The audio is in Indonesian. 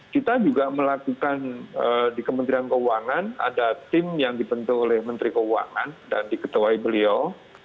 kita juga melakukan di kementerian keuangan ada tim yang dibentuk oleh menteri keuangan dan diketuai beliau